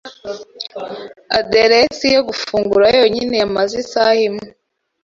Aderesi yo gufungura yonyine yamaze isaha imwe.